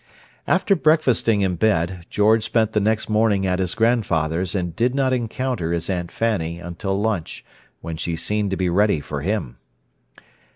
After breakfasting in bed, George spent the next morning at his grandfather's and did not encounter his Aunt Fanny until lunch, when she seemed to be ready for him.